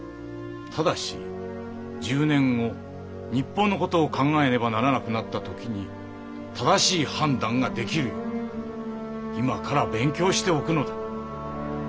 ただし１０年後日本の事を考えねばならなくなった時に正しい判断ができるよう今から勉強しておくのだ。